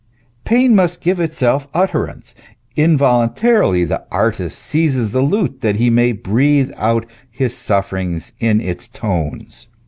Pain must give itself utterance ; involuntarily the artist seizes the lute, that he may breathe out his sufferings in its tones.